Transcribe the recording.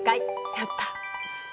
やった。